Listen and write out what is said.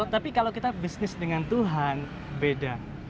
tapi kalau kita bisnis dengan tuhan beda